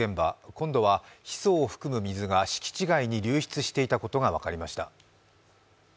今度はヒ素を含む水が敷地外に流出していたことが分かりました。